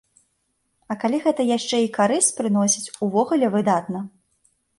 А калі гэта яшчэ і карысць прыносіць, увогуле выдатна.